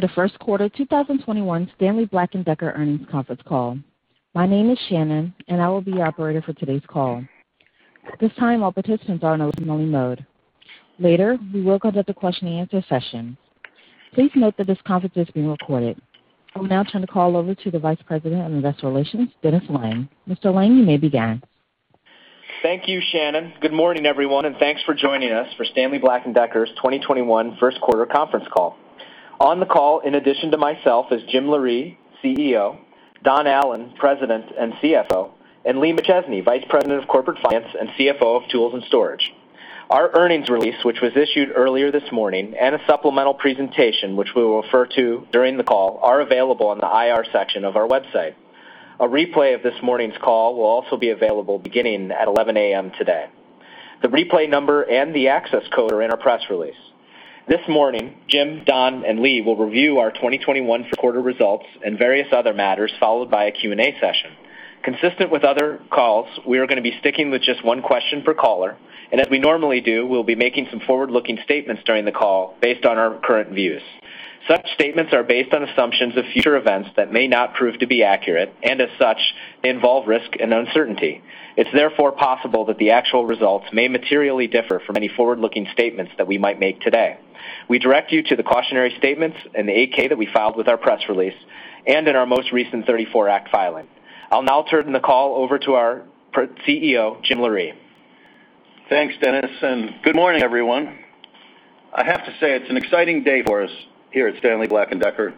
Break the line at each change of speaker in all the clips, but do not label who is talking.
The first quarter 2021 Stanley Black & Decker earnings conference call. My name is Shannon, and I will be your operator for today's call. At this time, all participants are in a listen-only mode. Later, we will conduct a question and answer session. Please note that this conference is being recorded. I will now turn the call over to the Vice President of Investor Relations, Dennis Lange. Mr. Lange, you may begin.
Thank you, Shannon. Good morning, everyone, and thanks for joining us for Stanley Black & Decker's 2021 first quarter conference call. On the call, in addition to myself, is Jim Loree, CEO, Don Allan, President and CFO, and Lee McChesney, Vice President of Corporate Finance and CFO of Tools & Storage. Our earnings release, which was issued earlier this morning, and a supplemental presentation, which we will refer to during the call, are available on the IR section of our website. A replay of this morning's call will also be available beginning at 11:00 A.M. today. The replay number and the access code are in our press release. This morning, Jim, Don, and Lee will review our 2021 first quarter results and various other matters, followed by a Q&A session. Consistent with other calls, we are going to be sticking with just one question per caller, and as we normally do, we'll be making some forward-looking statements during the call based on our current views. Such statements are based on assumptions of future events that may not prove to be accurate, and as such, may involve risk and uncertainty. It's therefore possible that the actual results may materially differ from any forward-looking statements that we might make today. We direct you to the cautionary statements in the 8-K that we filed with our press release and in our most recent 34 Act filing. I'll now turn the call over to our CEO, James M. Loree.
Thanks, Dennis. Good morning, everyone. I have to say, it's an exciting day for us here at Stanley Black & Decker.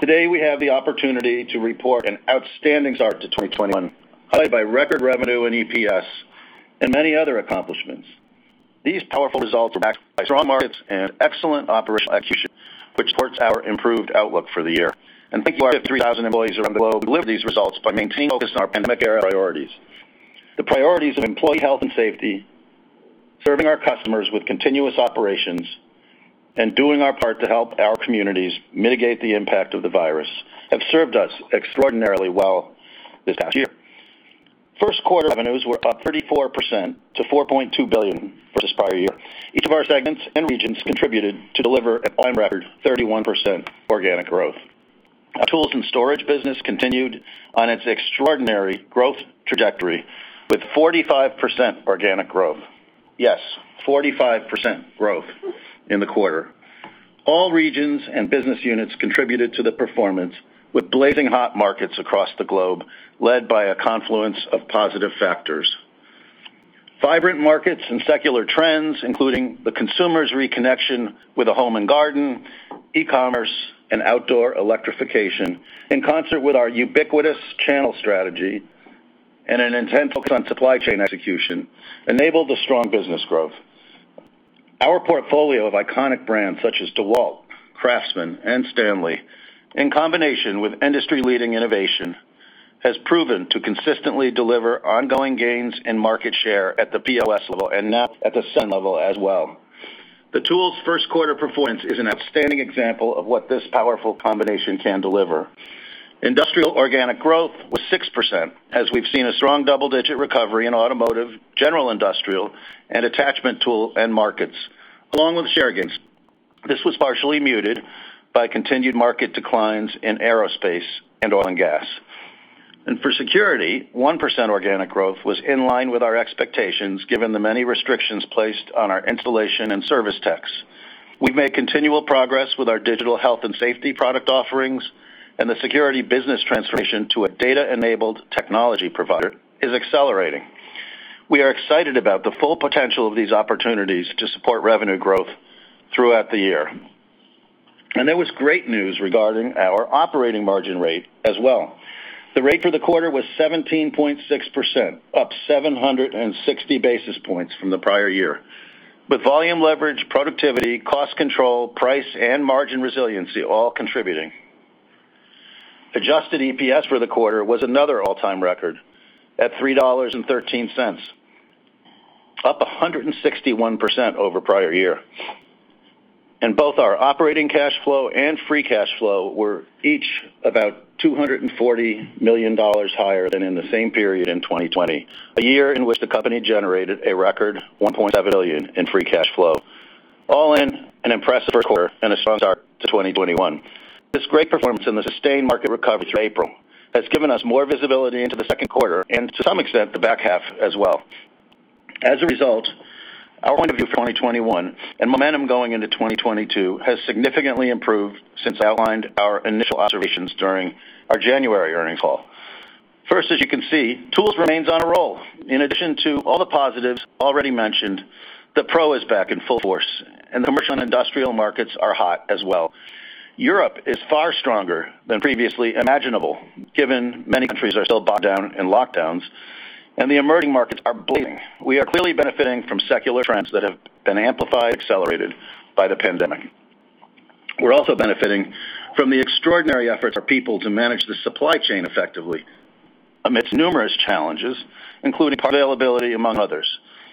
Today, we have the opportunity to report an outstanding start to 2021, highlighted by record revenue and EPS and many other accomplishments. These powerful results were backed by strong markets and excellent operational execution, which supports our improved outlook for the year. Thank you to our 53,000 employees around the globe who delivered these results by maintaining a focus on our pandemic era priorities. The priorities of employee health and safety, serving our customers with continuous operations, and doing our part to help our communities mitigate the impact of the virus have served us extraordinarily well this past year. First quarter revenues were up 34% to $4.2 billion versus prior year. Each of our segments and regions contributed to deliver an all-time record 31% organic growth. Our Tools & Storage business continued on its extraordinary growth trajectory with 45% organic growth. Yes, 45% growth in the quarter. All regions and business units contributed to the performance with blazing hot markets across the globe, led by a confluence of positive factors. Vibrant markets and secular trends, including the consumer's reconnection with the home and garden, e-commerce, and outdoor electrification, in concert with our ubiquitous channel strategy and an intense focus on supply chain execution, enabled the strong business growth. Our portfolio of iconic brands such as DEWALT, CRAFTSMAN, and STANLEY, in combination with industry-leading innovation, has proven to consistently deliver ongoing gains in market share at the POS level and now at the sell level as well. The Tools first quarter performance is an outstanding example of what this powerful combination can deliver. Industrial organic growth was 6%, as we've seen a strong double-digit recovery in automotive, general industrial, and attachment tool end markets, along with share gains. This was partially muted by continued market declines in aerospace and Oil & Gas. For Security, 1% organic growth was in line with our expectations, given the many restrictions placed on our installation and service techs. We've made continual progress with our digital health and safety product offerings, and the Security business transformation to a data-enabled technology provider is accelerating. We are excited about the full potential of these opportunities to support revenue growth throughout the year. There was great news regarding our operating margin rate as well. The rate for the quarter was 17.6%, up 760 basis points from the prior year, with volume leverage, productivity, cost control, price, and margin resiliency all contributing. Adjusted EPS for the quarter was another all-time record at $3.13, up 161% over prior year. Both our operating cash flow and free cash flow were each about $240 million higher than in the same period in 2020, a year in which the company generated a record $1.7 billion in free cash flow. All in, an impressive first quarter and a strong start to 2021. This great performance and the sustained market recovery through April has given us more visibility into the second quarter and, to some extent, the back half as well. As a result, our point of view for 2021 and momentum going into 2022 has significantly improved since I outlined our initial observations during our January earnings call. First, as you can see, Tools remains on a roll. In addition to all the positives already mentioned, the pro is back in full force, and the commercial and industrial markets are hot as well. Europe is far stronger than previously imaginable, given many countries are still bogged down in lockdowns, and the emerging markets are blazing. We are clearly benefiting from secular trends that have been amplified and accelerated by the pandemic. We're also benefiting from the extraordinary efforts of our people to manage the supply chain effectively amidst numerous challenges, including part availability, among others.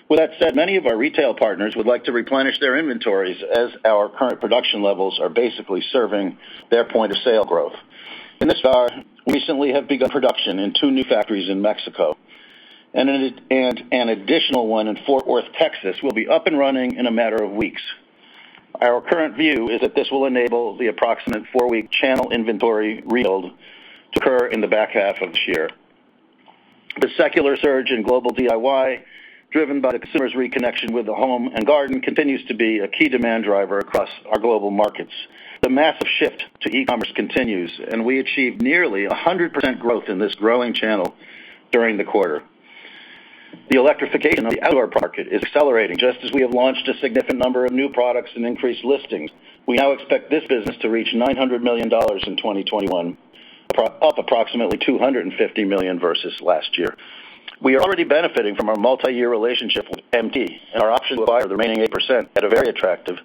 With that said, many of our retail partners would like to replenish their inventories as our current production levels are basically serving their point of sale growth. In this regard, we recently have begun production in two new factories in Mexico, and an additional one in Fort Worth, Texas, will be up and running in a matter of weeks. Our current view is that this will enable the approximate four-week channel inventory rebuild to occur in the back half of this year. The secular surge in global DIY, driven by the consumer's reconnection with the home and garden, continues to be a key demand driver across our global markets. The massive shift to e-commerce continues, and we achieved nearly 100% growth in this growing channel during the quarter. The electrification of the outdoor market is accelerating, just as we have launched a significant number of new products and increased listings. We now expect this business to reach $900 million in 2021, up approximately $250 million versus last year. We are already benefiting from our multi-year relationship with MTD and our option to acquire the remaining 80% at a very attractive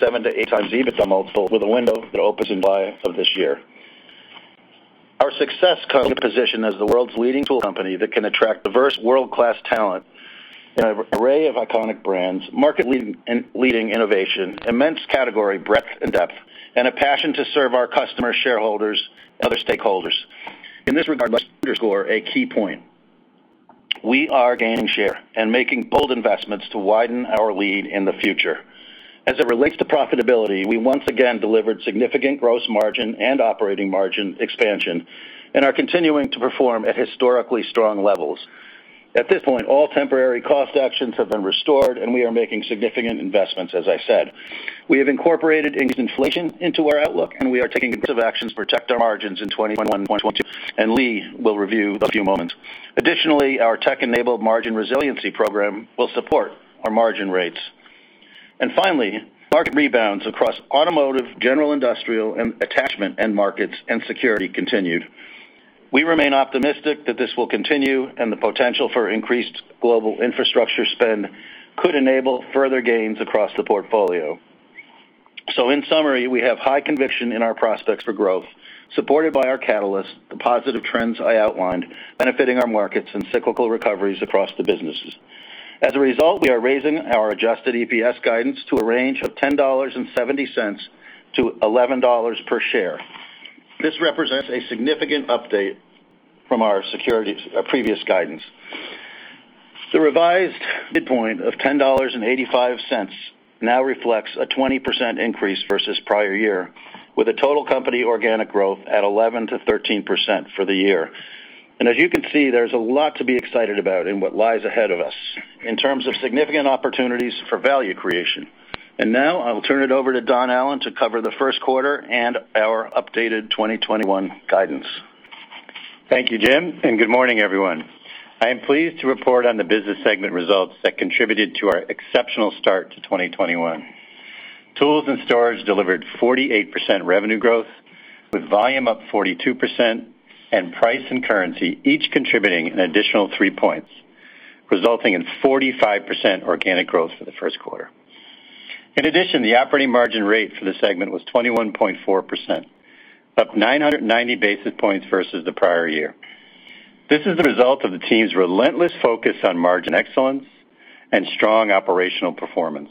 7x-8x EBITDA multiple with a window that opens in July of this year. Our success comes from a position as the world's leading tool company that can attract diverse world-class talent, an array of iconic brands, market-leading innovation, immense category breadth and depth, and a passion to serve our customers, shareholders, and other stakeholders. In this regard, let me underscore a key point. We are gaining share and making bold investments to widen our lead in the future. As it relates to profitability, we once again delivered significant gross margin and operating margin expansion and are continuing to perform at historically strong levels. At this point, all temporary cost actions have been restored, and we are making significant investments, as I said. We have incorporated increased inflation into our outlook, and we are taking aggressive actions to protect our margins in 2021 and 2022, and Lee will review those in a few moments. Additionally, our tech-enabled margin resiliency program will support our margin rates. Finally, market rebounds across automotive, general industrial, and attachment end markets, and security continued. We remain optimistic that this will continue, and the potential for increased global infrastructure spend could enable further gains across the portfolio. In summary, we have high conviction in our prospects for growth, supported by our catalyst, the positive trends I outlined benefiting our markets and cyclical recoveries across the businesses. As a result, we are raising our adjusted EPS guidance to a range of $10.70-$11.00 per share. This represents a significant update from our previous guidance. The revised midpoint of $10.85 now reflects a 20% increase versus prior year, with a total company organic growth at 11%-13% for the year. As you can see, there's a lot to be excited about in what lies ahead of us in terms of significant opportunities for value creation. Now I will turn it over to Don Allan to cover the first quarter and our updated 2021 guidance.
Thank you, Jim, and good morning, everyone. I am pleased to report on the business segment results that contributed to our exceptional start to 2021. Tools & Storage delivered 48% revenue growth, with volume up 42%, and price and currency each contributing an additional three points, resulting in 45% organic growth for the first quarter. In addition, the operating margin rate for the segment was 21.4%, up 990 basis points versus the prior year. This is the result of the team's relentless focus on margin excellence and strong operational performance.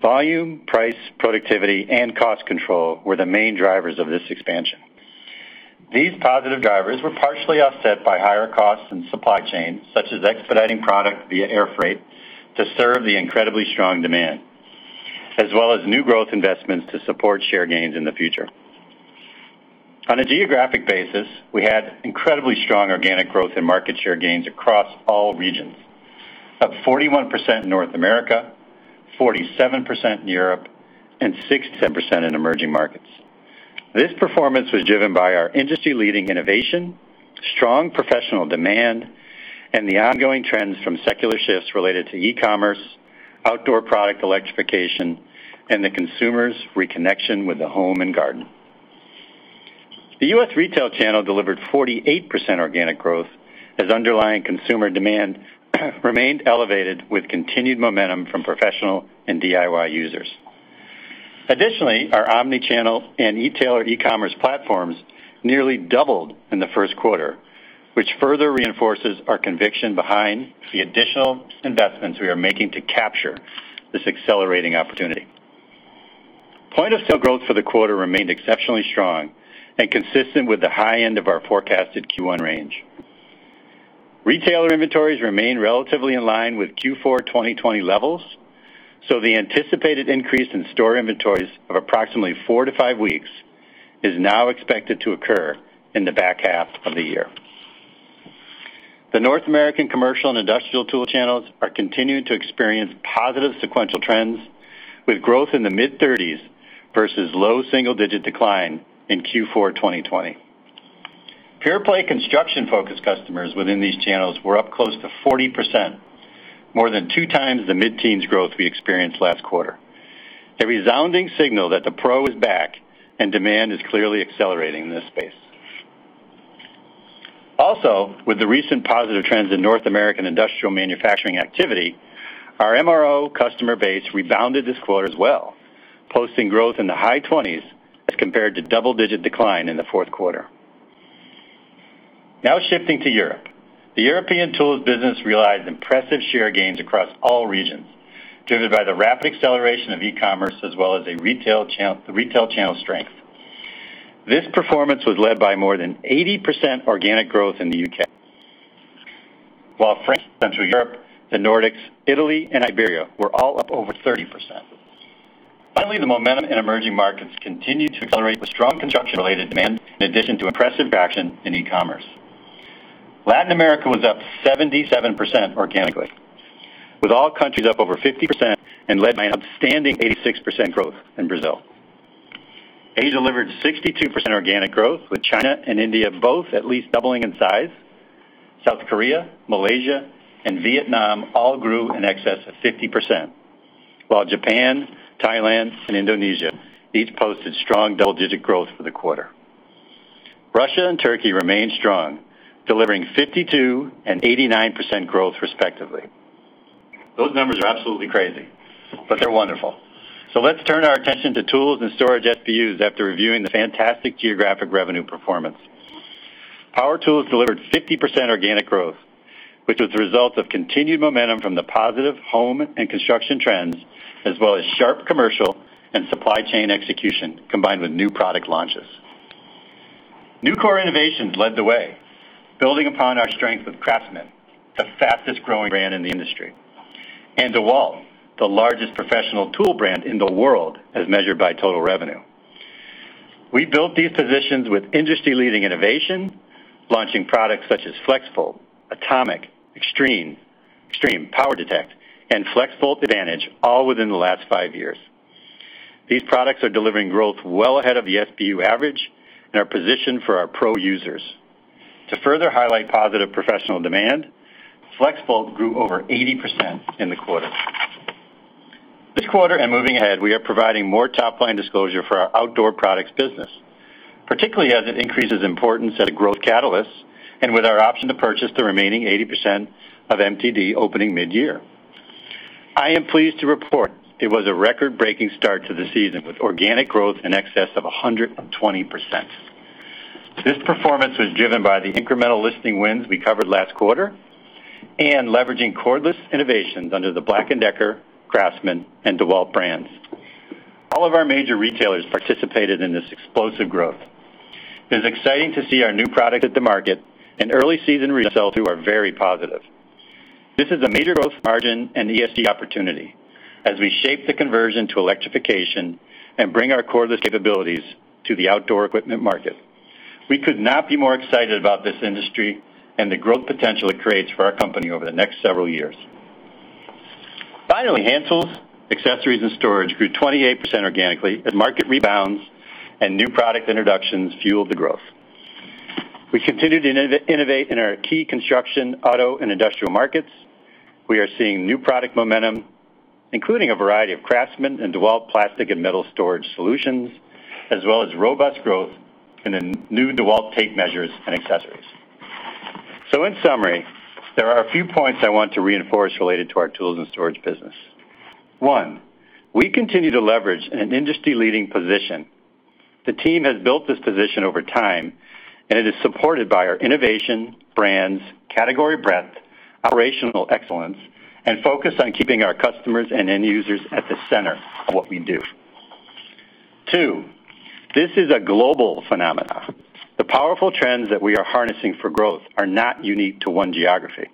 Volume, price, productivity, and cost control were the main drivers of this expansion. These positive drivers were partially offset by higher costs in supply chain, such as expediting product via air freight to serve the incredibly strong demand, as well as new growth investments to support share gains in the future. On a geographic basis, we had incredibly strong organic growth in market share gains across all regions. Up 41% in North America, 47% in Europe, and 67% in emerging markets. This performance was driven by our industry-leading innovation, strong professional demand, and the ongoing trends from secular shifts related to e-commerce, outdoor product electrification, and the consumer's reconnection with the home and garden. The U.S. retail channel delivered 48% organic growth as underlying consumer demand remained elevated with continued momentum from professional and DIY users. Additionally, our omni-channel and e-tail or e-commerce platforms nearly doubled in the first quarter, which further reinforces our conviction behind the additional investments we are making to capture this accelerating opportunity. Point-of-sale growth for the quarter remained exceptionally strong and consistent with the high end of our forecasted Q1 range. Retailer inventories remain relatively in line with Q4 2020 levels, so the anticipated increase in store inventories of approximately four to five weeks is now expected to occur in the back half of the year. The North American commercial and industrial tool channels are continuing to experience positive sequential trends with growth in the mid-30s versus low single-digit decline in Q4 2020. Pure-play construction-focused customers within these channels were up close to 40%, more than 2 times the mid-teens growth we experienced last quarter. A resounding signal that the pro is back and demand is clearly accelerating in this space. Also, with the recent positive trends in North American industrial manufacturing activity, our MRO customer base rebounded this quarter as well, posting growth in the high 20s as compared to double-digit decline in the fourth quarter. Now shifting to Europe. The European tools business realized impressive share gains across all regions, driven by the rapid acceleration of e-commerce as well as the retail channel strength. This performance was led by more than 80% organic growth in the U.K., while France, Central Europe, the Nordics, Italy, and Iberia were all up over 30%. Finally, the momentum in emerging markets continued to accelerate with strong construction-related demand, in addition to impressive traction in e-commerce. Latin America was up 77% organically, with all countries up over 50% and led by an outstanding 86% growth in Brazil. Asia delivered 62% organic growth, with China and India both at least doubling in size. South Korea, Malaysia, and Vietnam all grew in excess of 50%, while Japan, Thailand, and Indonesia each posted strong double-digit growth for the quarter. Russia and Turkey remained strong, delivering 52% and 89% growth respectively. Those numbers are absolutely crazy, they're wonderful. Let's turn our attention to Tools & Storage SBUs after reviewing the fantastic geographic revenue performance. Power tools delivered 50% organic growth, which was a result of continued momentum from the positive home and construction trends as well as sharp commercial and supply chain execution, combined with new product launches. New core innovations led the way, building upon our strength with CRAFTSMAN, the fastest-growing brand in the industry, and DEWALT, the largest professional tool brand in the world, as measured by total revenue. We built these positions with industry-leading innovation, launching products such as FLEXVOLT, ATOMIC, XTREME, POWER DETECT, and FLEXVOLT ADVANTAGE, all within the last five years. These products are delivering growth well ahead of the SBU average and are positioned for our pro users. To further highlight positive professional demand, FLEXVOLT grew over 80% in the quarter. This quarter and moving ahead, we are providing more top-line disclosure for our outdoor products business, particularly as it increases importance as a growth catalyst and with our option to purchase the remaining 80% of MTD opening mid-year. I am pleased to report it was a record-breaking start to the season, with organic growth in excess of 120%. This performance was driven by the incremental listing wins we covered last quarter and leveraging cordless innovations under the BLACK+DECKER, CRAFTSMAN, and DEWALT brands. All of our major retailers participated in this explosive growth. It is exciting to see our new product at the market and early season results too are very positive. This is a major growth margin and ESG opportunity as we shape the conversion to electrification and bring our cordless capabilities to the outdoor equipment market. We could not be more excited about this industry and the growth potential it creates for our company over the next several years. Hand Tools, Accessories, and Storage grew 28% organically as market rebounds and new product introductions fueled the growth. We continue to innovate in our key construction, auto, and industrial markets. We are seeing new product momentum, including a variety of CRAFTSMAN and DEWALT plastic and metal storage solutions, as well as robust growth in the new DEWALT tape measures and accessories. In summary, there are a few points I want to reinforce related to our Tools & Storage business. One, we continue to leverage an industry-leading position. The team has built this position over time, and it is supported by our innovation, brands, category breadth, operational excellence, and focus on keeping our customers and end users at the center of what we do. Two, this is a global phenomenon. The powerful trends that we are harnessing for growth are not unique to one geography.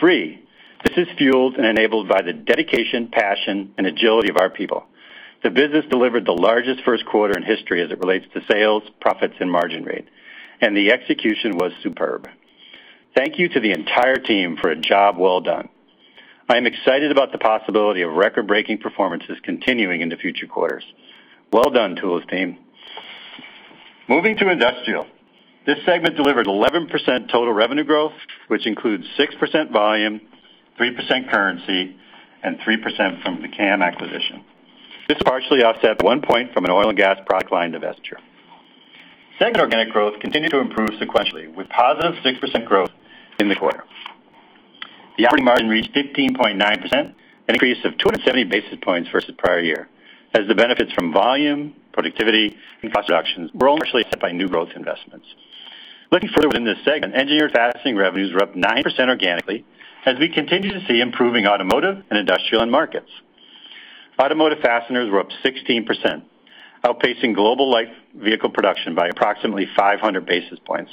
Three, this is fueled and enabled by the dedication, passion, and agility of our people. The business delivered the largest first quarter in history as it relates to sales, profits, and margin rate, and the execution was superb. Thank you to the entire team for a job well done. I am excited about the possibility of record-breaking performances continuing into future quarters. Well done, tools team. Moving to industrial. This segment delivered 11% total revenue growth, which includes 6% volume, 3% currency, and 3% from the CAM acquisition. This was partially offset by one point from an Oil & Gas product line divestiture. Segment organic growth continued to improve sequentially, with positive 6% growth in the quarter. The operating margin reached 15.9%, an increase of 270 basis points versus prior year, as the benefits from volume, productivity, and cost reductions were only partially offset by new growth investments. Looking further within this segment, engineered fastening revenues were up 90% organically as we continue to see improving automotive and industrial end markets. Automotive fasteners were up 16%, outpacing global light vehicle production by approximately 500 basis points.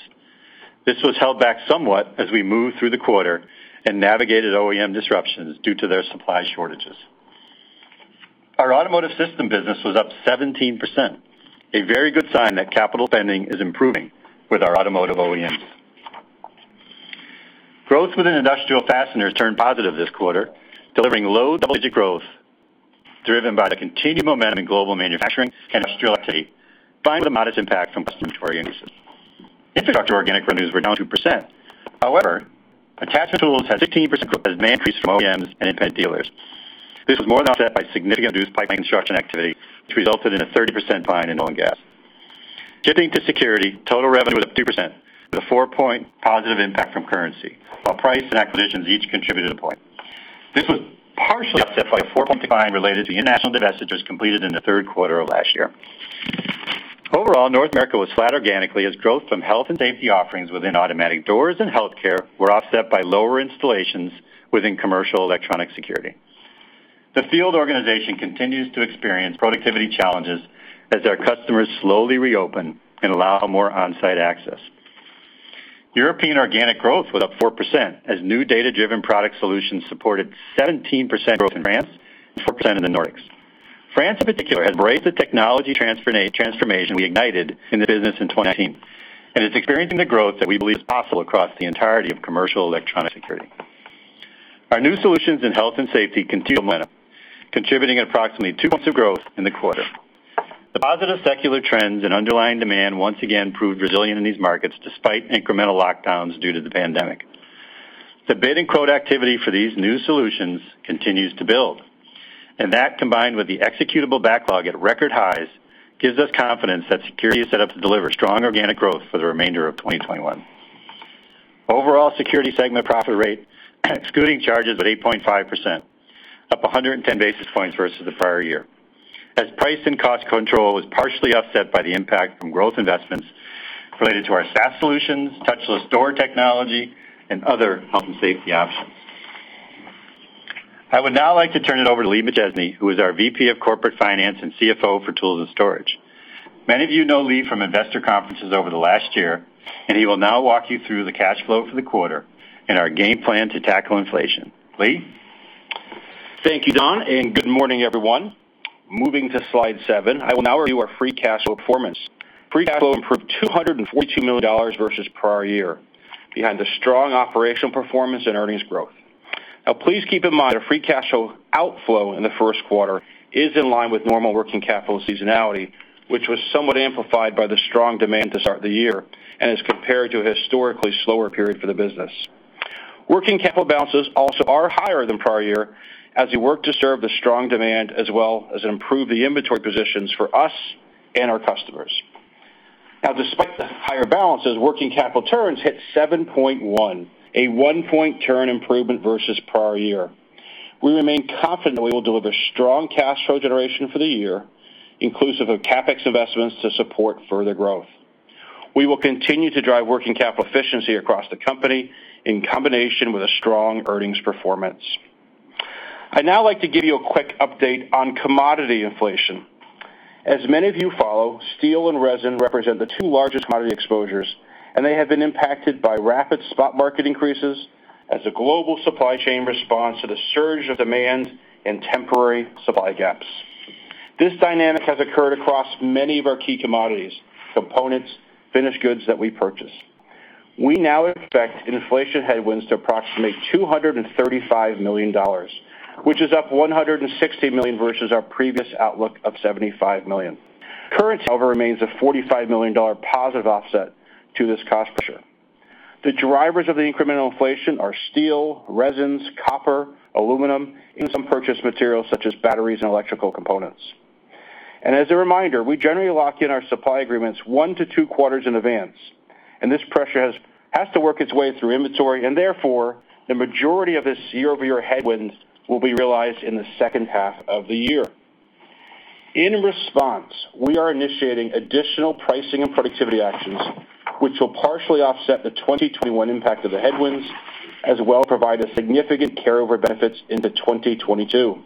This was held back somewhat as we moved through the quarter and navigated OEM disruptions due to their supply shortages. Our automotive system business was up 17%, a very good sign that capital spending is improving with our automotive OEMs. Growth within industrial fasteners turned positive this quarter, delivering low double-digit growth driven by the continued momentum in global manufacturing and industrial activity, combined with a modest impact from customer inventory increases. Infrastructure organic revenues were down 2%. Attachment tools had 16% growth as demand increased from OEMs and independent dealers. This was more than offset by significant reduced pipeline construction activity, which resulted in a 30% decline in Oil & Gas. Shifting to security, total revenue was up 2% with a four-point positive impact from currency, while price and acquisitions each contributed a point. This was partially offset by 4.5% related to the international divestitures completed in the third quarter of last year. North America was flat organically as growth from health and safety offerings within automatic doors and healthcare were offset by lower installations within commercial electronic security. The field organization continues to experience productivity challenges as our customers slowly reopen and allow more on-site access. European organic growth was up 4%, as new data-driven product solutions supported 17% growth in France and 4% in the Nordics. France in particular has embraced the technology transformation we ignited in the business in 2019, and is experiencing the growth that we believe is possible across the entirety of commercial electronic security. Our new solutions in health and safety continue to build momentum, contributing approximately 2 points of growth in the quarter. The positive secular trends and underlying demand once again proved resilient in these markets, despite incremental lockdowns due to the pandemic. The bid and quote activity for these new solutions continues to build, and that, combined with the executable backlog at record highs, gives us confidence that security is set up to deliver strong organic growth for the remainder of 2021. Overall security segment profit rate, excluding charges of 8.5%, up 110 basis points versus the prior year. As price and cost control was partially offset by the impact from growth investments related to our SaaS solutions, touchless door technology, and other health and safety options. I would now like to turn it over to Lee McChesney, who is our VP of Corporate Finance and CFO for Tools & Storage. Many of you know Lee from investor conferences over the last year, and he will now walk you through the cash flow for the quarter and our game plan to tackle inflation. Lee?
Thank you, Don, and good morning, everyone. Moving to slide seven. I will now review our free cash flow performance. Free cash flow improved $242 million versus prior year, behind the strong operational performance and earnings growth. Please keep in mind our free cash flow outflow in the first quarter is in line with normal working capital seasonality, which was somewhat amplified by the strong demand at the start of the year and as compared to a historically slower period for the business. Working capital balances also are higher than prior year as we work to serve the strong demand as well as improve the inventory positions for us and our customers. Despite the higher balances, working capital turns hit 7.1, a one-point turn improvement versus prior year. We remain confident that we will deliver strong cash flow generation for the year, inclusive of CapEx investments to support further growth. We will continue to drive working capital efficiency across the company in combination with a strong earnings performance. I'd now like to give you a quick update on commodity inflation. As many of you follow, steel and resin represent the two largest commodity exposures, and they have been impacted by rapid spot market increases as the global supply chain responds to the surge of demand and temporary supply gaps. This dynamic has occurred across many of our key commodities, components, finished goods that we purchase. We now expect inflation headwinds to approximate $235 million, which is up $160 million versus our previous outlook of $75 million. Currency, however, remains a $45 million positive offset to this cost pressure. The drivers of the incremental inflation are steel, resins, copper, aluminum, and some purchased materials such as batteries and electrical components. As a reminder, we generally lock in our supply agreements one to two quarters in advance, and this pressure has to work its way through inventory. Therefore, the majority of this year-over-year headwinds will be realized in the second half of the year. In response, we are initiating additional pricing and productivity actions, which will partially offset the 2021 impact of the headwinds, as well as provide us significant carry-over benefits into 2022.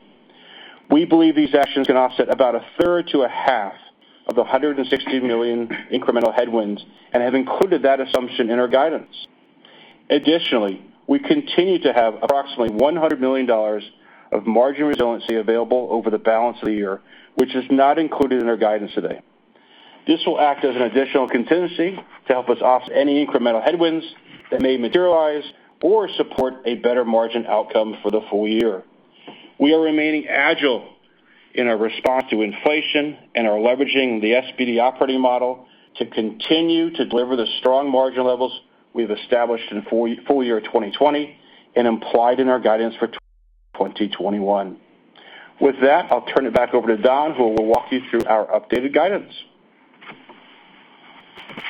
We believe these actions can offset about a third to a half of the $160 million incremental headwinds and have included that assumption in our guidance. Additionally, we continue to have approximately $100 million of margin resiliency available over the balance of the year, which is not included in our guidance today. This will act as an additional contingency to help us offset any incremental headwinds that may materialize or support a better margin outcome for the full year. We are remaining agile in our response to inflation and are leveraging the SBD operating model to continue to deliver the strong margin levels we've established in full year 2020 and implied in our guidance for 2021. With that, I'll turn it back over to Don, who will walk you through our updated guidance.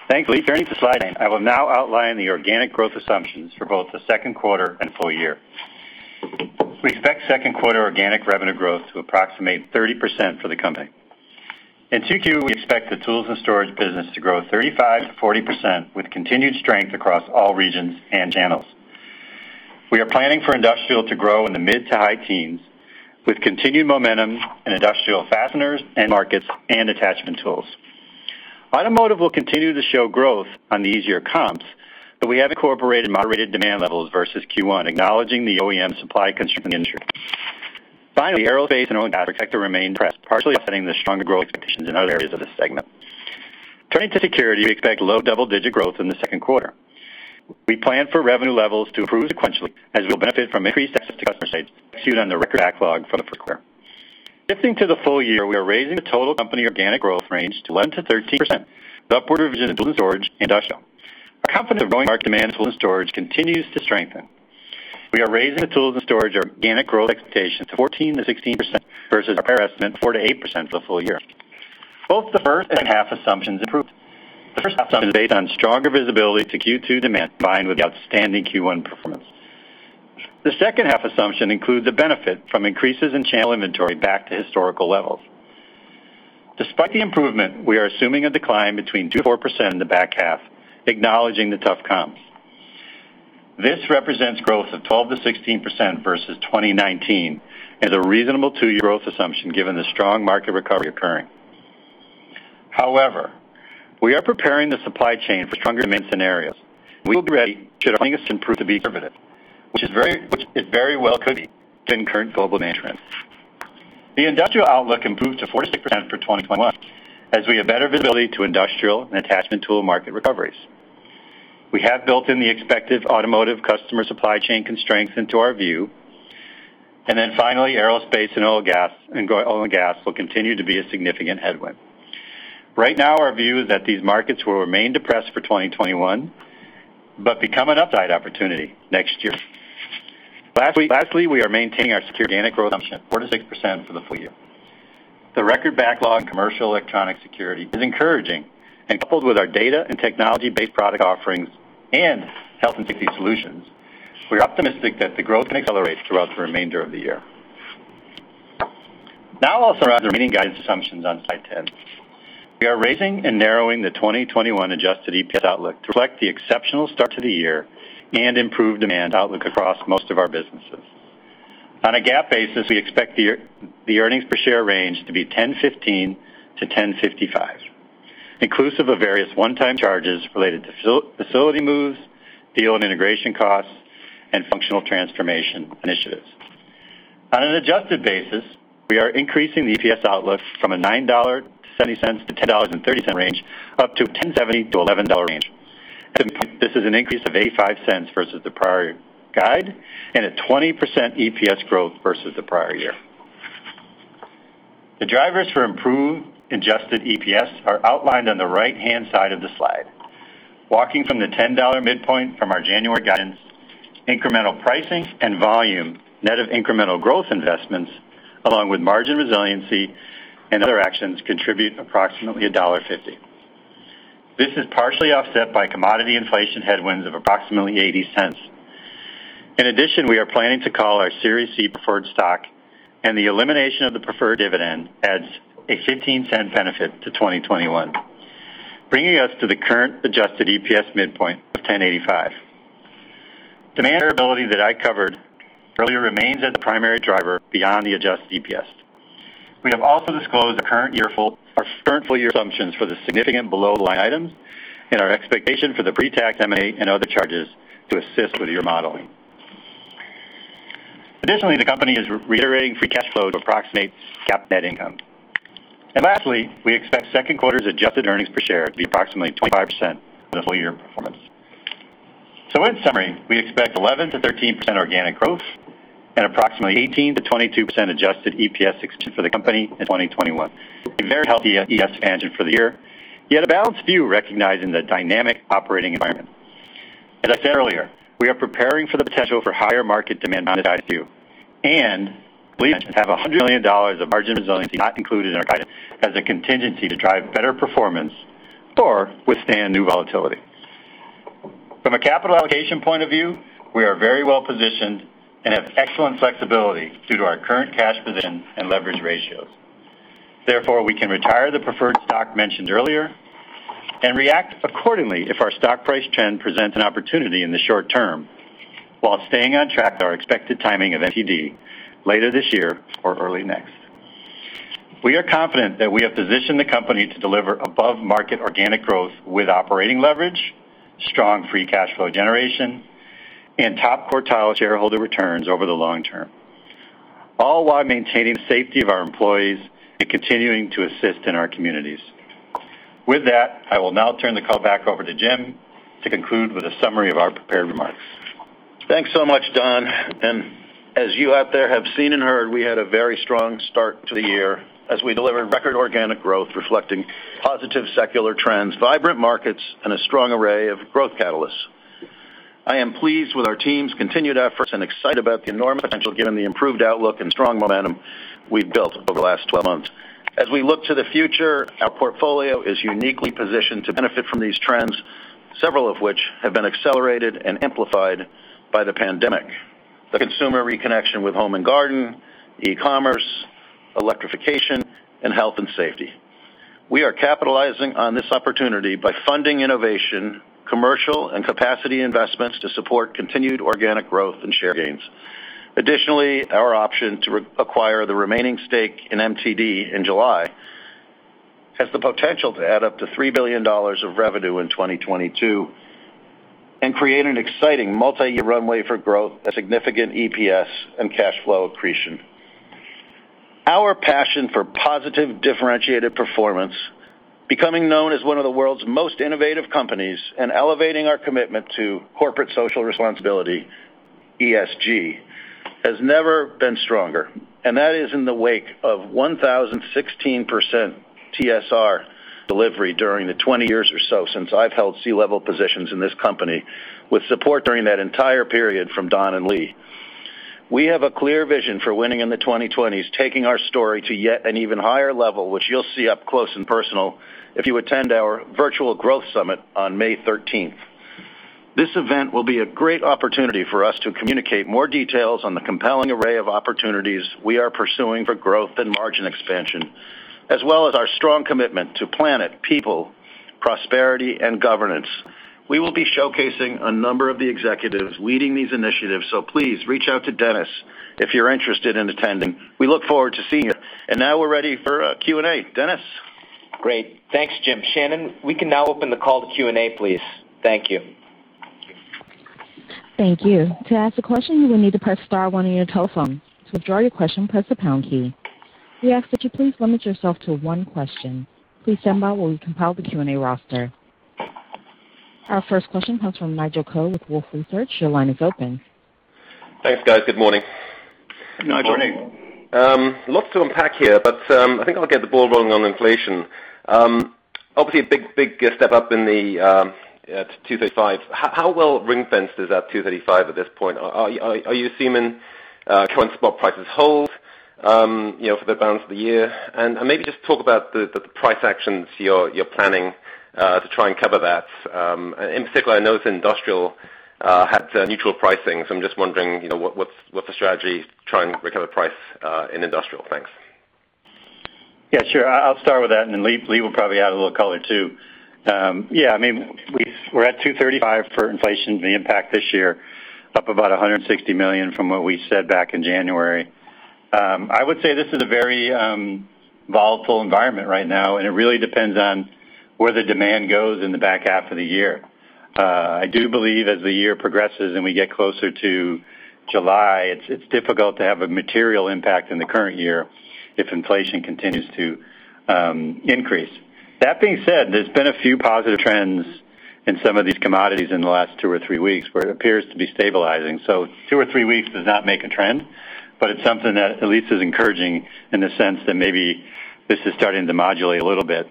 Thanks, Lee. Turning to slide nine. I will now outline the organic growth assumptions for both the second quarter and full year. We expect second quarter organic revenue growth to approximate 30% for the company. In Q2, we expect the Tools & Storage business to grow 35%-40%, with continued strength across all regions and channels. We are planning for industrial to grow in the mid to high teens, with continued momentum in industrial fasteners, end markets, and attachment tools. Automotive will continue to show growth on the easier comps, but we have incorporated moderated demand levels versus Q1, acknowledging the OEM supply constraints. Finally, the aerospace and Oil and Gas sector remain depressed, partially offsetting the stronger growth expectations in other areas of this segment. Turning to security, we expect low double-digit growth in the second quarter. We plan for revenue levels to improve sequentially as we will benefit from increased access to customer sites to execute on the record backlog from the first quarter. Shifting to the full year, we are raising the total company organic growth range to 11%-13%, with upward revision in Tools & Storage, Industrial. Our confidence in growing market demand in Tools & Storage continues to strengthen. We are raising the Tools & Storage organic growth expectation to 14%-16% versus our prior estimate of 4%-8% for the full year. Both the first and a half assumptions improved. The first assumption is based on stronger visibility to Q2 demand combined with outstanding Q1 performance. The second half assumption includes the benefit from increases in channel inventory back to historical levels. Despite the improvement, we are assuming a decline between 2%-4% in the back half, acknowledging the tough comps. This represents growth of 12%-16% versus 2019, is a reasonable two-year growth assumption given the strong market recovery occurring. However, we are preparing the supply chain for stronger demand scenarios, and we will be ready should our planning assumption prove to be conservative, which it very well could be given current global management. The industrial outlook improved to 46% for 2021 as we have better visibility to industrial and attachment tool market recoveries. We have built in the expected automotive customer supply chain constraints into our view. Finally, aerospace and Oil & Gas will continue to be a significant headwind. Right now, our view is that these markets will remain depressed for 2021, become an upside opportunity next year. Lastly, we are maintaining our Security organic growth assumption of 4%-6% for the full year. The record backlog in Commercial Electronic Security is encouraging, and coupled with our data and technology-based product offerings and health and safety solutions, we are optimistic that the growth can accelerate throughout the remainder of the year. Now I'll summarize the remaining guidance assumptions on slide 10. We are raising and narrowing the 2021 adjusted EPS outlook to reflect the exceptional start to the year and improved demand outlook across most of our businesses. On a GAAP basis, we expect the earnings per share range to be $10.15-$10.55, inclusive of various one-time charges related to facility moves, deal and integration costs, and functional transformation initiatives. On an adjusted basis, we are increasing the EPS outlook from a $9.70-$10.30 range up to $10.70-$11 range. At the midpoint, this is an increase of $0.85 versus the prior guide and a 20% EPS growth versus the prior year. The drivers for improved adjusted EPS are outlined on the right-hand side of the slide. Walking from the $10 midpoint from our January guidance, incremental pricing and volume, net of incremental growth investments, along with margin resiliency and other actions contribute approximately $1.50. This is partially offset by commodity inflation headwinds of approximately $0.80. In addition, we are planning to call our Series C preferred stock, and the elimination of the preferred dividend adds a $0.15 benefit to 2021, bringing us to the current adjusted EPS midpoint of $10.85. Demand variability that I covered earlier remains as the primary driver beyond the adjusted EPS. We have also disclosed our current full-year assumptions for the significant below-the-line items and our expectation for the pre-tax, M&A, and other charges to assist with your modeling. Additionally, the company is reiterating free cash flow to approximate GAAP net income. Lastly, we expect second quarter's adjusted earnings per share to be approximately 25% of the full-year performance. In summary, we expect 11%-13% organic growth and approximately 18%-22% adjusted EPS expansion for the company in 2021. A very healthy EPS expansion for the year, yet a balanced view recognizing the dynamic operating environment. As I said earlier, we are preparing for the potential for higher market demand on this guidance view, and believe management have $100 million of margin resiliency not included in our guidance as a contingency to drive better performance or withstand new volatility. From a capital allocation point of view, we are very well positioned and have excellent flexibility due to our current cash position and leverage ratios. We can retire the preferred stock mentioned earlier and react accordingly if our stock price trend presents an opportunity in the short term while staying on track with our expected timing of MTD later this year or early next. We are confident that we have positioned the company to deliver above-market organic growth with operating leverage, strong free cash flow generation, and top quartile shareholder returns over the long term, all while maintaining the safety of our employees and continuing to assist in our communities. I will now turn the call back over to Jim to conclude with a summary of our prepared remarks.
Thanks so much, Donald Allan, Jr. As you out there have seen and heard, we had a very strong start to the year as we delivered record organic growth reflecting positive secular trends, vibrant markets, and a strong array of growth catalysts. I am pleased with our team's continued efforts and excited about the enormous potential given the improved outlook and strong momentum we've built over the last 12 months. As we look to the future, our portfolio is uniquely positioned to benefit from these trends, several of which have been accelerated and amplified by the pandemic. The consumer reconnection with home and garden, e-commerce, electrification, and health and safety. We are capitalizing on this opportunity by funding innovation, commercial, and capacity investments to support continued organic growth and share gains. Additionally, our option to acquire the remaining stake in MTD in July has the potential to add up to $3 billion of revenue in 2022 and create an exciting multi-year runway for growth and significant EPS and cash flow accretion. Our passion for positive, differentiated performance, becoming known as one of the world's most innovative companies, and elevating our commitment to corporate social responsibility, ESG, has never been stronger. That is in the wake of 1,016% TSR delivery during the 20 years or so since I've held C-level positions in this company with support during that entire period from Don and Lee. We have a clear vision for winning in the 2020s, taking our story to yet an even higher level, which you'll see up close and personal if you attend our virtual growth summit on May 13th. This event will be a great opportunity for us to communicate more details on the compelling array of opportunities we are pursuing for growth and margin expansion, as well as our strong commitment to planet, people, prosperity, and governance. We will be showcasing a number of the executives leading these initiatives, so please reach out to Dennis if you're interested in attending. We look forward to seeing you. Now we're ready for Q&A. Dennis?
Great. Thanks, Jim. Shannon, we can now open the call to Q&A, please. Thank you.
Thank you. To ask a question, you will need to press star one on your telephone. To withdraw your question, press the pound key. We ask that you please limit yourself to one question. Please stand by while we compile the Q&A roster. Our first question comes from Nigel Coe with Wolfe Research. Your line is open.
Thanks, guys. Good morning.
Good morning.
Good morning.
Lots to unpack here, but I think I'll get the ball rolling on inflation. Obviously, a big step up in the $235. How well ring-fenced is that $235 at this point? Are you assuming current spot prices hold for the balance of the year? Maybe just talk about the price actions you're planning to try and cover that. In particular, I know that industrial had neutral pricing, so I'm just wondering what's the strategy to try and recover price in industrial? Thanks.
Sure. I'll start with that, and then Lee will probably add a little color, too. We're at $235 for inflation, the impact this year, up about $160 million from what we said back in January. I would say this is a very volatile environment right now, and it really depends on where the demand goes in the back half of the year. I do believe as the year progresses and we get closer to July, it's difficult to have a material impact in the current year if inflation continues to increase. That being said, there's been a few positive trends in some of these commodities in the last two or three weeks where it appears to be stabilizing. Two or three weeks does not make a trend, but it's something that at least is encouraging in the sense that maybe this is starting to modulate a little bit.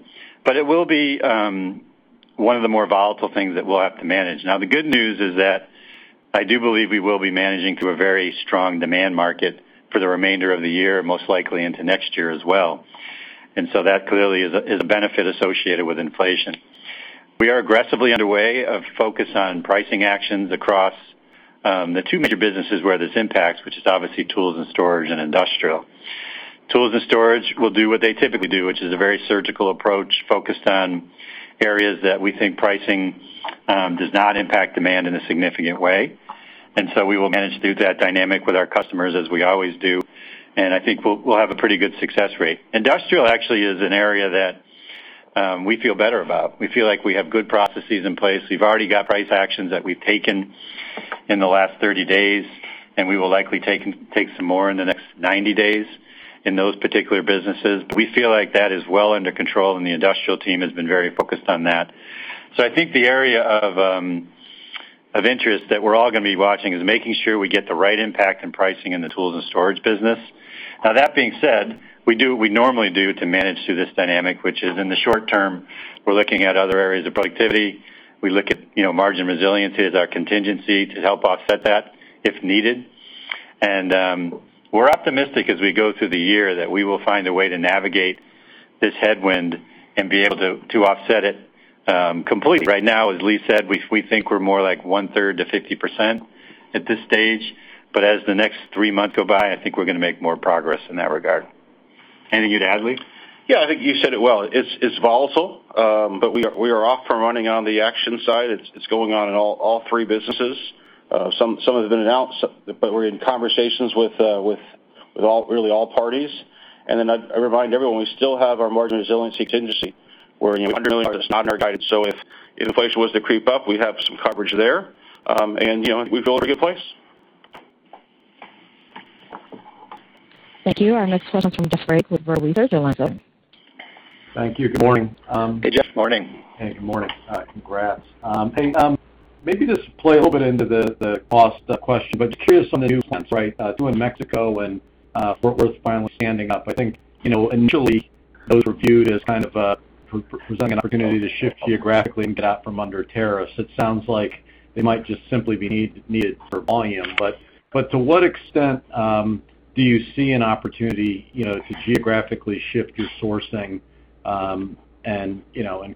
It will be one of the more volatile things that we'll have to manage. The good news is that I do believe we will be managing through a very strong demand market for the remainder of the year, most likely into next year as well. That clearly is a benefit associated with inflation. We are aggressively underway of focus on pricing actions across the two major businesses where this impacts, which is obviously Tools & Storage and Industrial. Tools & Storage will do what they typically do, which is a very surgical approach focused on areas that we think pricing does not impact demand in a significant way. We will manage through that dynamic with our customers as we always do, and I think we'll have a pretty good success rate. Industrial actually is an area that we feel better about. We feel like we have good processes in place. We've already got price actions that we've taken in the last 30 days, and we will likely take some more in the next 90 days in those particular businesses. We feel like that is well under control, and the industrial team has been very focused on that. I think the area of interest that we're all going to be watching is making sure we get the right impact in pricing in the Tools & Storage business. That being said, we do what we normally do to manage through this dynamic, which is in the short term, we're looking at other areas of productivity. We look at margin resiliencies, our contingency to help offset that if needed. We're optimistic as we go through the year that we will find a way to navigate this headwind and be able to offset it completely. Right now, as Lee said, we think we're more like one-third to 50% at this stage. As the next three months go by, I think we're going to make more progress in that regard. Anything you'd add, Lee?
Yeah, I think you said it well. It's volatile, but we are off for running on the action side. It's going on in all three businesses. Some have been announced, but we're in conversations with really all parties. I remind everyone, we still have our margin resiliency contingency where $100 million is not in our guidance. If inflation was to creep up, we'd have some coverage there. We feel we're in a good place.
Thank you. Our next question comes from Jeff Sprague with Vertical Research. Your line is open.
Thank you. Good morning.
Hey, Jeff.
Morning.
Hey, good morning. Congrats. Just to play a little bit into the cost question, but just curious on the new plants, doing Mexico and Fort Worth finally standing up. I think initially those were viewed as kind of presenting an opportunity to shift geographically and get out from under tariffs. It sounds like they might just simply be needed for volume. To what extent do you see an opportunity to geographically shift your sourcing and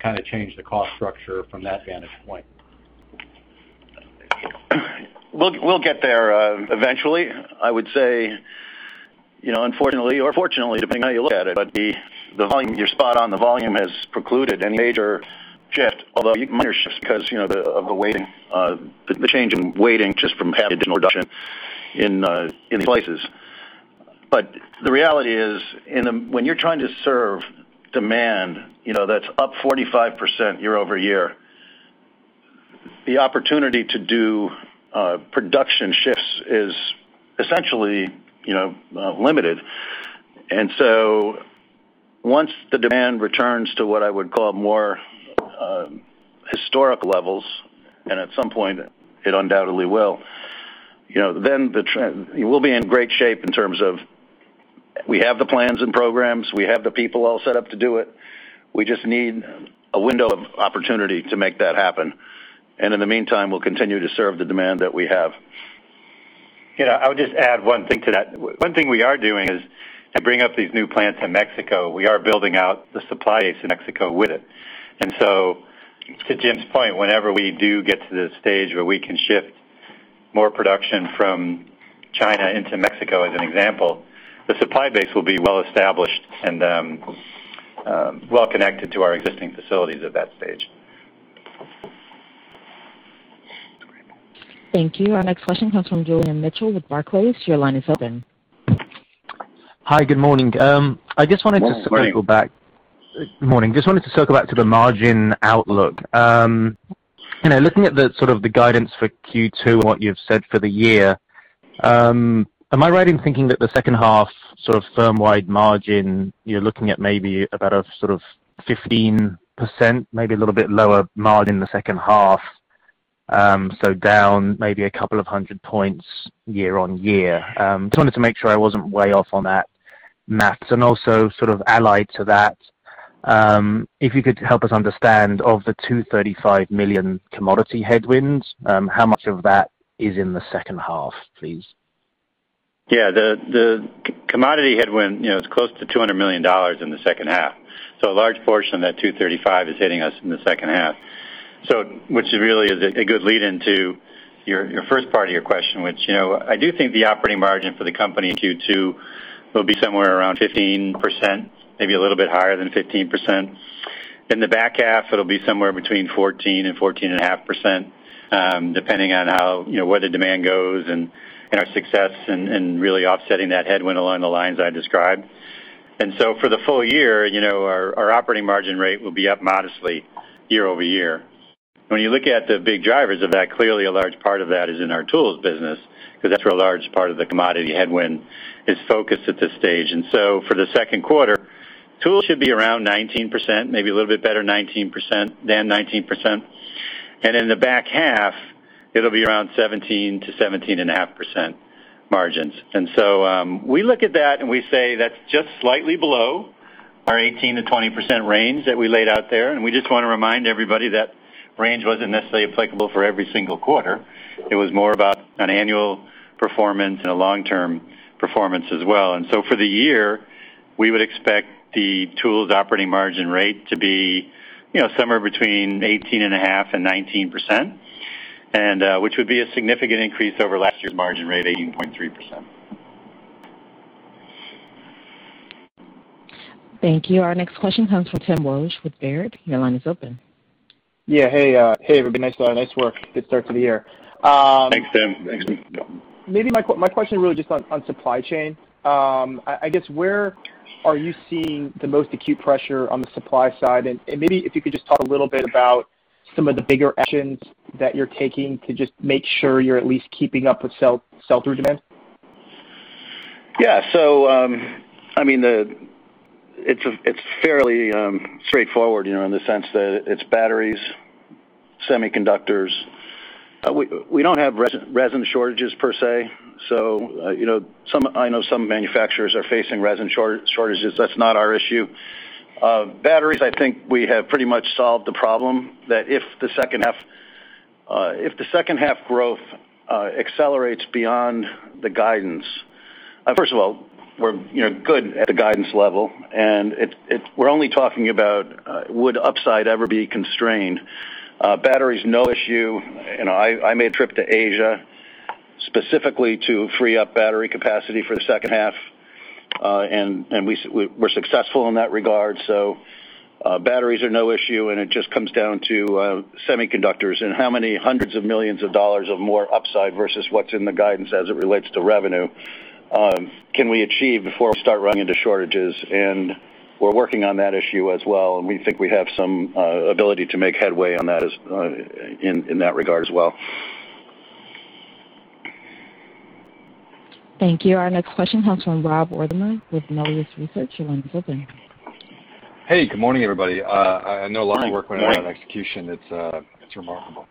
kind of change the cost structure from that vantage point?
We'll get there eventually. I would say, unfortunately or fortunately, depending on how you look at it, but you're spot on. The volume has precluded any major shift, although minor shifts because of the change in weighting just from having additional production in these places. The reality is when you're trying to serve demand that's up 45% year-over-year, the opportunity to do production shifts is essentially limited. Once the demand returns to what I would call more historical levels, and at some point it undoubtedly will, then we'll be in great shape in terms of we have the plans and programs. We have the people all set up to do it. We just need a window of opportunity to make that happen. In the meantime, we'll continue to serve the demand that we have.
I would just add one thing to that. One thing we are doing is to bring up these new plants in Mexico. We are building out the supply base in Mexico with it. To Jim's point, whenever we do get to the stage where we can shift more production from China into Mexico, as an example, the supply base will be well-established and well-connected to our existing facilities at that stage.
Thank you. Our next question comes from Julian Mitchell with Barclays. Your line is open.
Hi, good morning.
Morning.
Good morning. Just wanted to circle back to the margin outlook. Looking at the sort of the guidance for Q2 and what you've said for the year, am I right in thinking that the second half sort of firm-wide margin, you're looking at maybe about a sort of 15%, maybe a little bit lower margin in the second half, so down maybe a couple of hundred points year-over-year. Just wanted to make sure I wasn't way off on that math. Also sort of allied to that, if you could help us understand, of the $235 million commodity headwinds, how much of that is in the second half, please?
Yeah. The commodity headwind, is close to $200 million in the second half. A large portion of that $235 is hitting us in the second half. Which really is a good lead-in to your first part of your question, which I do think the operating margin for the company in Q2 will be somewhere around 15%, maybe a little bit higher than 15%. In the back half, it'll be somewhere between 14%-14.5%, depending on where the demand goes and our success in really offsetting that headwind along the lines I described. For the full year, our operating margin rate will be up modestly year-over-year. When you look at the big drivers of that, clearly a large part of that is in our Tools business, because that's where a large part of the commodity headwind is focused at this stage. For the second quarter, tools should be around 19%, maybe a little bit better than 19%. In the back half, it'll be around 17%-17.5% margins. We look at that and we say that's just slightly below our 18%-20% range that we laid out there. We just want to remind everybody that range wasn't necessarily applicable for every single quarter. It was more about an annual performance and a long-term performance as well. For the year, we would expect the tools operating margin rate to be somewhere between 18.5%-19%, which would be a significant increase over last year's margin rate, 18.3%.
Thank you. Our next question comes from Tim Wojs with Baird. Your line is open.
Hey, everybody. Nice work. Good start to the year.
Thanks, Tim.
Maybe my question really just on supply chain. I guess where are you seeing the most acute pressure on the supply side? Maybe if you could just talk a little bit about some of the bigger actions that you're taking to just make sure you're at least keeping up with sell-through demand.
Yeah. It's fairly straightforward, in the sense that it's batteries, semiconductors. We don't have resin shortages per se. I know some manufacturers are facing resin shortages. That's not our issue. Batteries, I think we have pretty much solved the problem that if the second half growth accelerates beyond the guidance. First of all, we're good at the guidance level, and we're only talking about would upside ever be constrained. Batteries, no issue. I made a trip to Asia specifically to free up battery capacity for the second half, and we're successful in that regard. Batteries are no issue, and it just comes down to semiconductors and how many hundreds of millions of dollars of more upside versus what's in the guidance as it relates to revenue can we achieve before we start running into shortages. We're working on that issue as well, and we think we have some ability to make headway in that regard as well.
Thank you. Our next question comes from Rob Wertheimer with Melius Research. Your line is open.
Hey, good morning, everybody.
Morning.
I know a lot of work went on in execution. It's remarkable.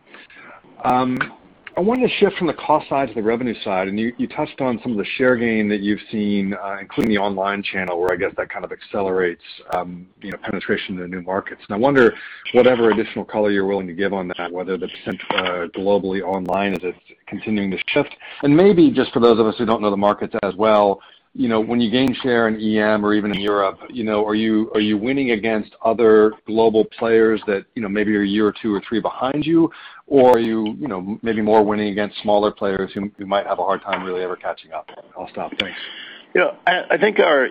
I wanted to shift from the cost side to the revenue side, and you touched on some of the share gain that you've seen, including the online channel, where I guess that kind of accelerates penetration into new markets. I wonder whatever additional color you're willing to give on that, whether the % globally online, is it continuing to shift? Maybe just for those of us who don't know the markets as well, when you gain share in EM or even in Europe, are you winning against other global players that maybe are a year or two or three behind you? Are you maybe more winning against smaller players who might have a hard time really ever catching up? I'll stop. Thanks.
I think our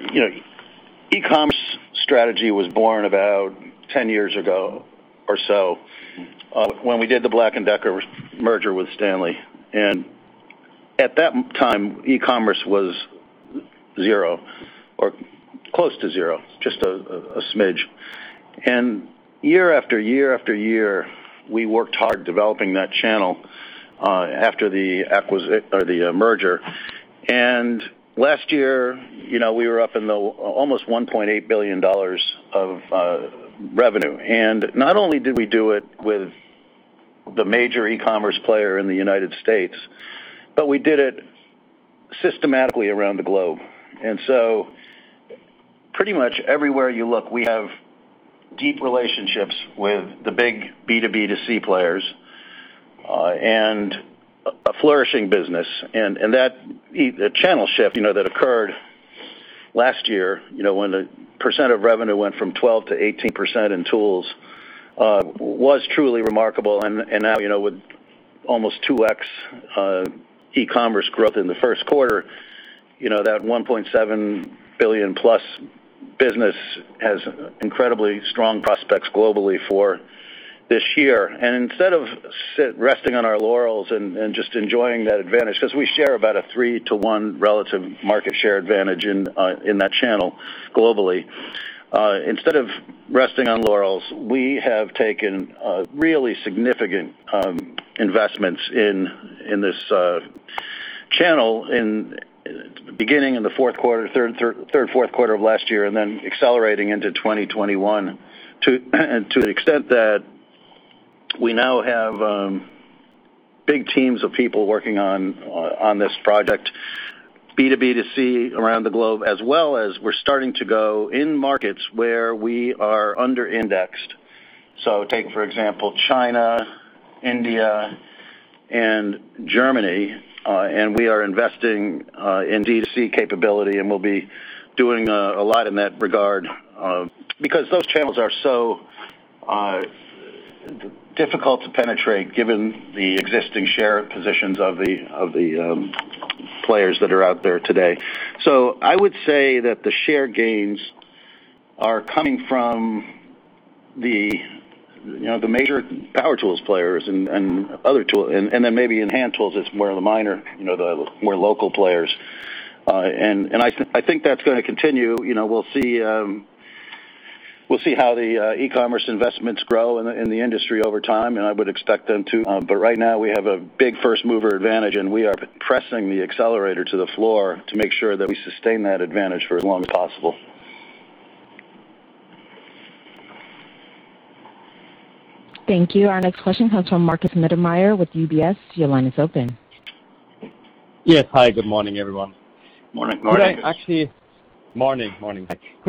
e-commerce strategy was born about 10 years ago or so, when we did the Black & Decker merger with Stanley. At that time, e-commerce was 0, or close to 0, just a smidge. Year after year after year, we worked hard developing that channel after the merger. Last year, we were up almost $1.8 billion of revenue. Not only did we do it with the major e-commerce player in the U.S. But we did it systematically around the globe. So pretty much everywhere you look, we have deep relationships with the big B2B2C players, and a flourishing business. That channel shift that occurred last year, when the % of revenue went from 12% to 18% in tools, was truly remarkable. Now with almost 2X e-commerce growth in the first quarter, that $1.7 billion-plus business has incredibly strong prospects globally for this year. Instead of resting on our laurels and just enjoying that advantage, because we share about a 3 to 1 relative market share advantage in that channel globally. Instead of resting on laurels, we have taken really significant investments in this channel beginning in the third, fourth quarter of last year, and then accelerating into 2021 to an extent that we now have big teams of people working on this project, B2B to C around the globe, as well as we're starting to go in markets where we are under-indexed. Take, for example, China, India, and Germany. We are investing in DC capability. We'll be doing a lot in that regard, because those channels are so difficult to penetrate given the existing share positions of the players that are out there today. I would say that the share gains are coming from the major power tools players and other tool. Maybe in hand tools, it's more of the minor, the more local players. I think that's going to continue. We'll see how the e-commerce investments grow in the industry over time, and I would expect them to. Right now, we have a big first-mover advantage. We are pressing the accelerator to the floor to make sure that we sustain that advantage for as long as possible.
Thank you. Our next question comes from Markus Mittermaier with UBS. Your line is open.
Yes. Hi, good morning, everyone.
Morning.
Morning. Could I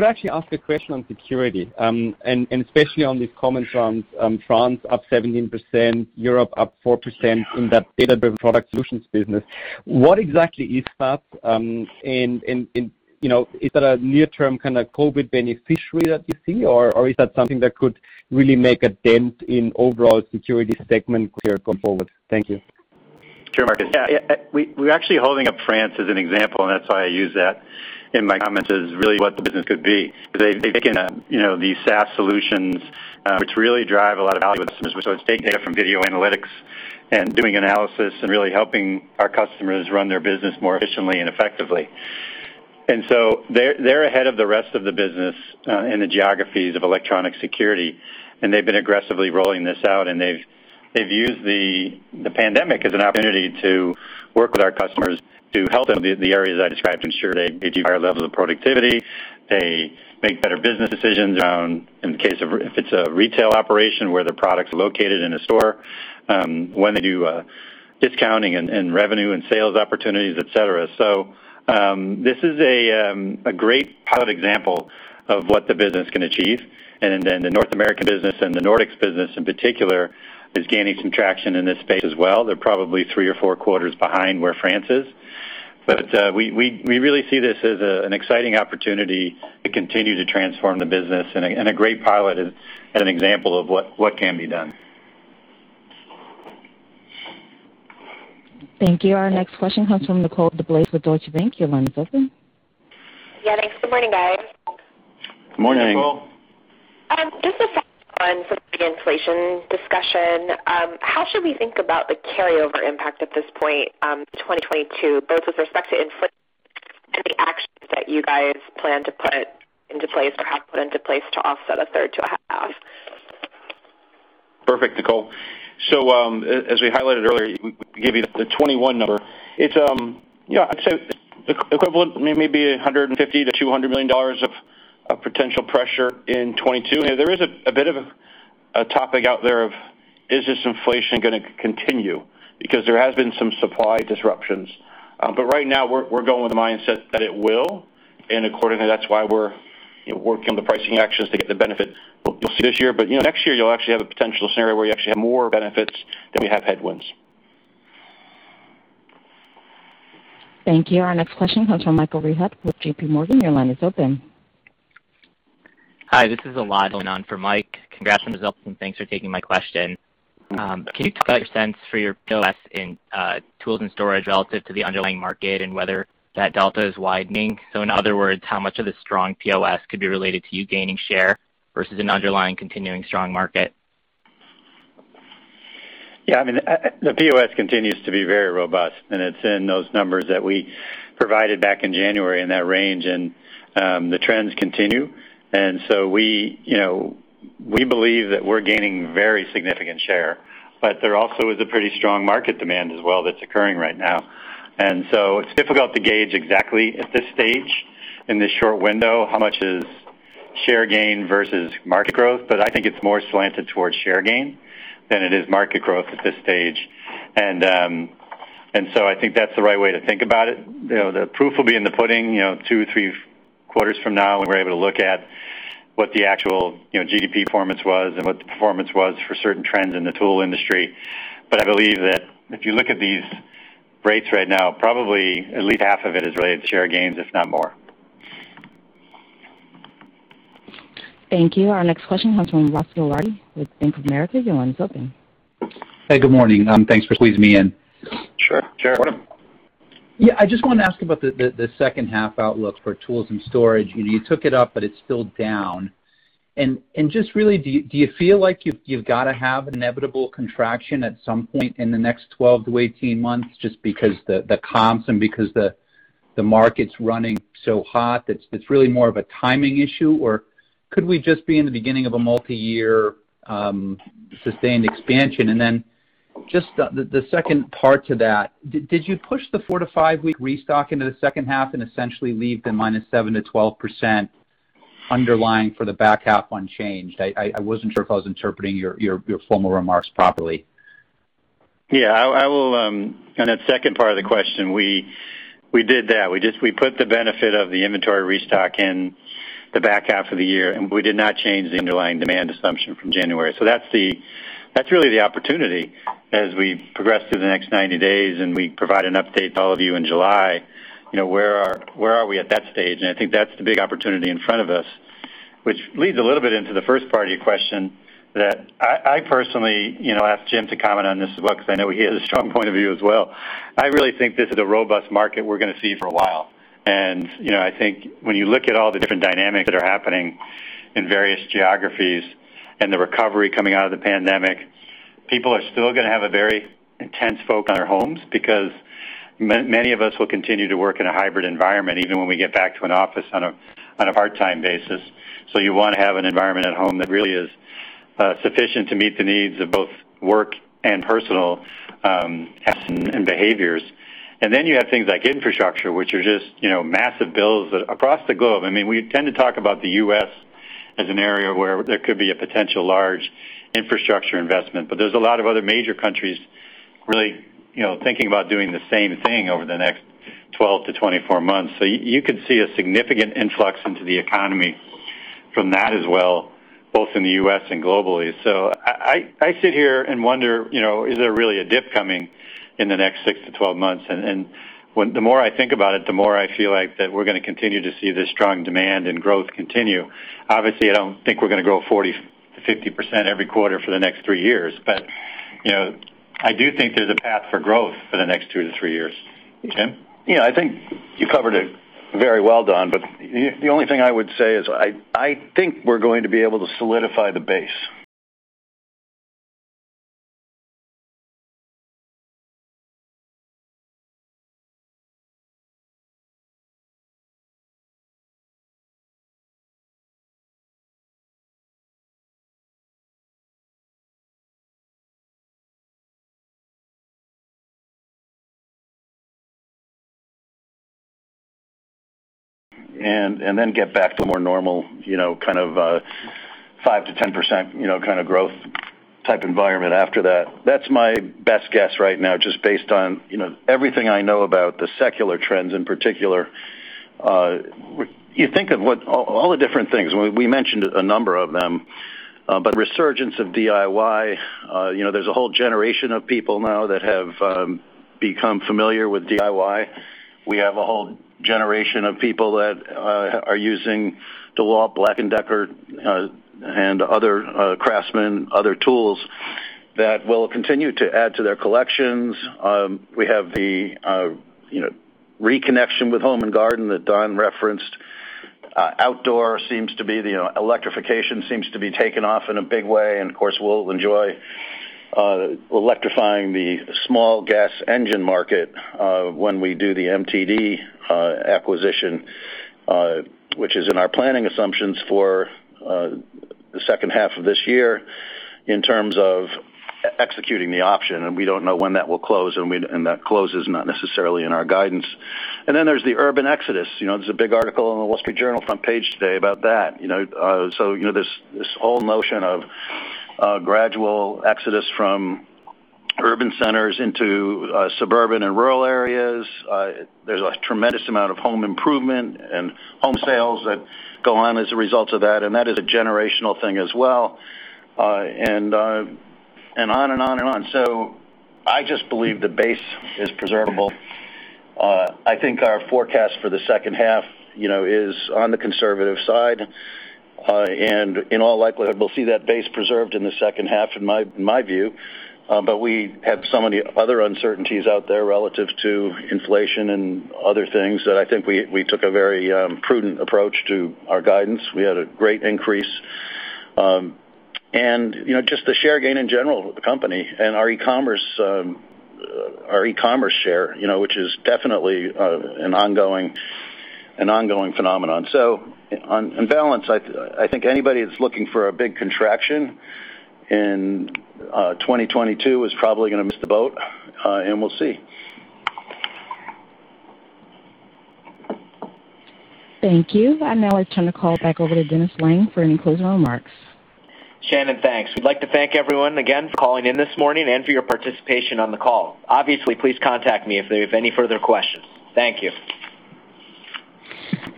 actually ask a question on security, especially on these common trends, France up 17%, Europe up 4% in that data-driven product solutions business. What exactly is that? Is that a near-term kind of COVID beneficiary that you see, or is that something that could really make a dent in overall security segment going forward? Thank you.
Sure, Markus. We're actually holding up France as an example, that's why I use that in my comments as really what the business could be. They've taken these SaaS solutions, which really drive a lot of value with customers. It's taking data from video analytics and doing analysis and really helping our customers run their business more efficiently and effectively. They're ahead of the rest of the business in the geographies of electronic security, and they've been aggressively rolling this out, and they've used the pandemic as an opportunity to work with our customers to help them with the areas I described to ensure they achieve higher levels of productivity. They make better business decisions around in the case of if it's a retail operation where the products are located in a store, when they do discounting and revenue and sales opportunities, et cetera. This is a great pilot example of what the business can achieve. The North American business and the Nordics business in particular is gaining some traction in this space as well. They're probably three or four quarters behind where France is. We really see this as an exciting opportunity to continue to transform the business and a great pilot and an example of what can be done.
Thank you. Our next question comes from Nicole DeBlase with Deutsche Bank. Your line is open.
Yeah, thanks. Good morning, guys.
Morning.
Hey, Nicole.
Just a follow-on from the inflation discussion. How should we think about the carryover impact at this point, 2022, both with respect to inflation and the actions that you guys plan to put into place or have put into place to offset a third to a half?
Perfect, Nicole. As we highlighted earlier, we gave you the 2021 number. I'd say the equivalent may be $150 million-$200 million of potential pressure in 2022. There is a bit of a topic out there of, is this inflation going to continue? Right now we're going with the mindset that it will, and accordingly, that's why we're working on the pricing actions to get the benefit you'll see this year. Next year you'll actually have a potential scenario where you actually have more benefits than we have headwinds.
Thank you. Our next question comes from Michael Rehaut with JPMorgan. Your line is open.
Hi, this is Elad filling in for Michael. Congrats on the results and thanks for taking my question. Can you talk about your sense for your POS in Tools & Storage relative to the underlying market and whether that delta is widening? In other words, how much of the strong POS could be related to you gaining share versus an underlying continuing strong market?
The POS continues to be very robust, and it's in those numbers that we provided back in January in that range. The trends continue. We believe that we're gaining very significant share, but there also is a pretty strong market demand as well that's occurring right now. It's difficult to gauge exactly at this stage in this short window how much is Share gain versus market growth. I think it's more slanted towards share gain than it is market growth at this stage. I think that's the right way to think about it. The proof will be in the pudding 2-3 quarters from now when we're able to look at what the actual GDP performance was and what the performance was for certain trends in the tool industry. I believe that if you look at these rates right now, probably at least half of it is related to share gains, if not more.
Thank you. Our next question comes from Ross Gilardi with Bank of America. Your line is open.
Hey, good morning. Thanks for squeezing me in.
Sure.
Yeah. I just wanted to ask about the second half outlook for Tools & Storage. You took it up, but it's still down. Just really, do you feel like you've got to have an inevitable contraction at some point in the next 12 to 18 months just because the comps and because the market's running so hot, it's really more of a timing issue? Or could we just be in the beginning of a multi-year sustained expansion? Just the second part to that, did you push the four to five-week restock into the second half and essentially leave the -7% to -12% underlying for the back half unchanged? I wasn't sure if I was interpreting your formal remarks properly.
Yeah. On that second part of the question, we did that. We put the benefit of the inventory restock in the back half of the year, and we did not change the underlying demand assumption from January. That's really the opportunity as we progress through the next 90 days and we provide an update to all of you in July, where are we at that stage? I think that's the big opportunity in front of us, which leads a little bit into the first part of your question that I personally ask Jim to comment on this as well, because I know he has a strong point of view as well. I really think this is a robust market we're going to see for a while. I think when you look at all the different dynamics that are happening in various geographies and the recovery coming out of the pandemic, people are still going to have a very intense focus on their homes because many of us will continue to work in a hybrid environment, even when we get back to an office on a part-time basis. You want to have an environment at home that really is sufficient to meet the needs of both work and personal tasks and behaviors. Then you have things like infrastructure, which are just massive bills across the globe. We tend to talk about the U.S. as an area where there could be a potential large infrastructure investment, there's a lot of other major countries really thinking about doing the same thing over the next 12 to 24 months.
You could see a significant influx into the economy from that as well, both in the U.S. and globally. I sit here and wonder, is there really a dip coming in the next six to 12 months? The more I think about it, the more I feel like that we're going to continue to see this strong demand and growth continue. Obviously, I don't think we're going to grow 40%-50% every quarter for the next three years. I do think there's a path for growth for the next two to three years. Jim? Yeah, I think you covered it very well, Don, but the only thing I would say is I think we're going to be able to solidify the base. Then get back to a more normal kind of 5%-10% kind of growth type environment after that. That's my best guess right now, just based on everything I know about the secular trends in particular. You think of all the different things. We mentioned a number of them, but the resurgence of DIY, there's a whole generation of people now that have become familiar with DIY. We have a whole generation of people that are using DEWALT, BLACK+DECKER, and other CRAFTSMAN, other tools that will continue to add to their collections. We have the reconnection with home and garden that Don referenced. Electrification seems to be taking off in a big way. Of course, we'll enjoy electrifying the small gas engine market when we do the MTD acquisition, which is in our planning assumptions for the second half of this year in terms of executing the option, and we don't know when that will close, and that close is not necessarily in our guidance. Then there's the urban exodus. There's a big article in "The Wall Street Journal" front page today about that. This whole notion of a gradual exodus from urban centers into suburban and rural areas. There's a tremendous amount of home improvement and home sales that go on as a result of that, and that is a generational thing as well, and on and on and on. I just believe the base is preservable. I think our forecast for the second half is on the conservative side. In all likelihood, we'll see that base preserved in the second half, in my view. We have so many other uncertainties out there relative to inflation and other things that I think we took a very prudent approach to our guidance. We had a great increase. Just the share gain in general with the company and our e-commerce share which is definitely an ongoing phenomenon. On balance, I think anybody that's looking for a big contraction in 2022 is probably going to miss the boat, and we'll see
Thank you. I'd now like to turn the call back over to Dennis Lange for any closing remarks.
Shannon, thanks. We'd like to thank everyone again for calling in this morning and for your participation on the call. Obviously, please contact me if you have any further questions. Thank you.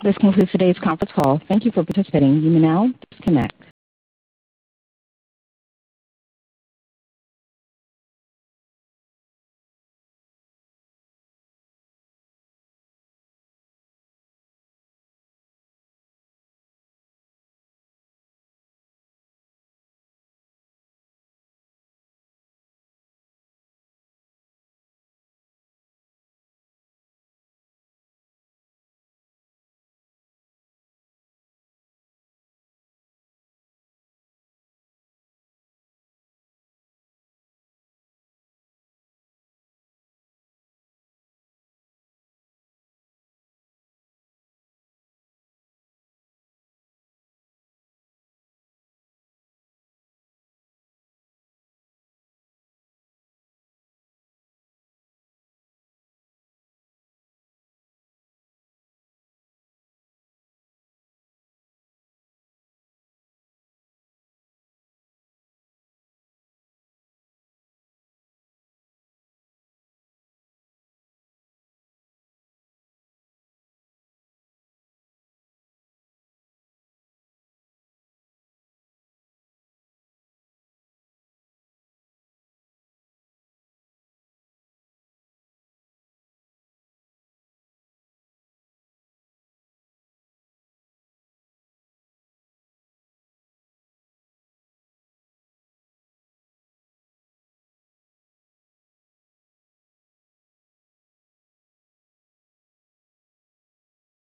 This concludes today's conference call. Thank you for participating. You may now disconnect.